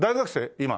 今。